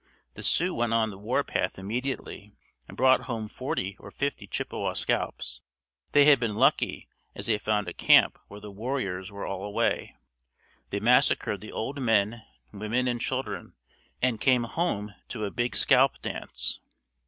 The Sioux went on the warpath immediately and brought home forty or fifty Chippewa scalps. They had been "lucky" as they found a camp where the warriors were all away. They massacred the old men, women and children and came home to a big scalp dance.